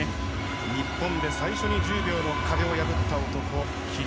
日本で最初に１０秒の壁を破った男、桐生。